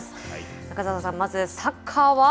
中澤さん、まずサッカーは？